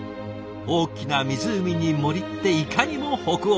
大きな湖に森っていかにも北欧！